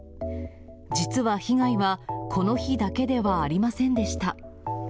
実は被害はこの日だけではありませんでした。